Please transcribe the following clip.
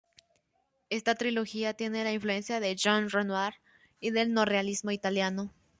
Esta trilogía tiene la influencia de Jean Renoir y del neorrealismo italiano.